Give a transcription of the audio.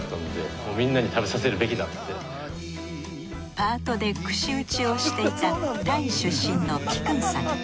パートで串打ちをしていたタイ出身のピクンさん。